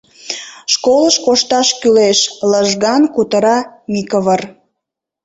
— Школыш кошташ кӱлеш, — лыжган кутыра Микывыр.